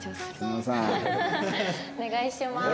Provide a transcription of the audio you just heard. お願いします。